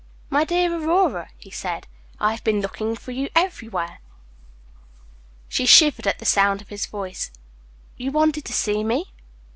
"My dear Aurora," he said, "I have been looking for you everywhere." She shivered at the sound of his voice. "You wanted to see me?"